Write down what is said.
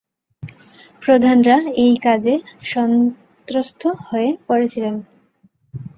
প্রধানরা এই কাজে সন্ত্রস্ত হয়ে পড়েছিলেন।